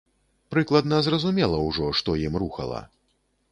Прыкладна зразумела ўжо, што ім рухала.